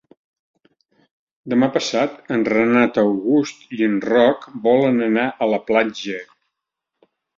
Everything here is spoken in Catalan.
Demà passat en Renat August i en Roc volen anar a la platja.